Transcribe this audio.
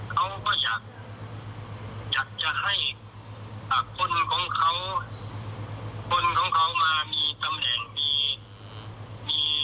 เขาก็อยากจะให้คนของเขาคนของเขามามีตำแหน่งมีมี